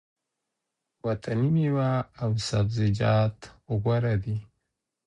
وطني مېوه او سبزیجات غوره دي.